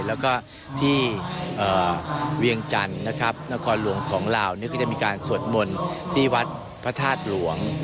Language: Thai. แล้วก็ที่เวียงจันทร์นะครับนครหลวงของลาวก็จะมีการสวดมนต์ที่วัดพระธาตุหลวง